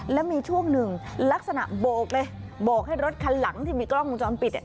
แล้วมีช่วงหนึ่งลักษณะโบกเลยโบกให้รถคันหลังที่มีกล้องวงจรปิดเนี่ย